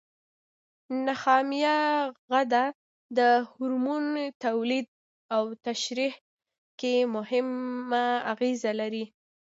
نخامیه غده د هورمون تولید او ترشح کې مهمه اغیزه لري.